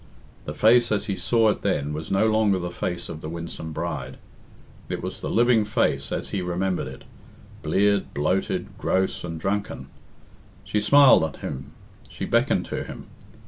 The face as he saw it then was no longer the face of the winsome bride. It was the living face as he remembered it bleared, bloated, gross, and drunken. She smiled on him, she beckoned to him.